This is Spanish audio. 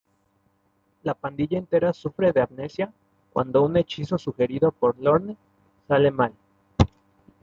La pandilla entera sufre de amnesia cuando un hechizo sugerido por Lorne sale mal.